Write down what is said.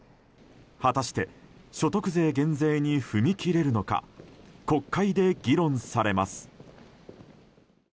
果たして所得税減税に踏み切れるのか国会で議論されます。